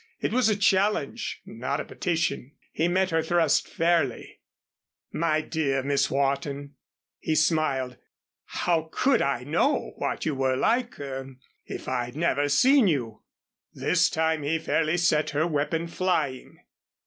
It was a challenge, not a petition. He met her thrust fairly. "My dear Miss Wharton," he smiled, "how could I know what you were like er if I'd never seen you?" This time he fairly set her weapon flying.